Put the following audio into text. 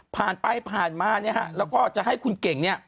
ผ่านไปผ่านมาแล้วก็จะให้คุณเก่ง